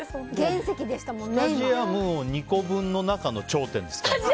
スタジアム２個分の中の頂点ですから。